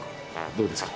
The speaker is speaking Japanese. どうですか？